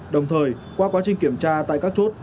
đồng thời qua quá trình kiểm tra tại các chốt